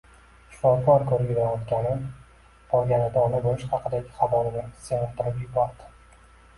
Shifokor ko`rigidan o`tgani borganida ona bo`lish haqidagi xabar uni sevintirib yubordi